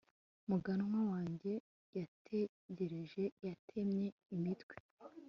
muganwa wanjye! yatekereje. yatemye imitwe